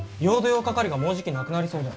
沃化カリがもうじきなくなりそうで。